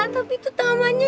tapi tuh tamannya